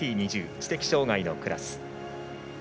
知的障がいのクラス。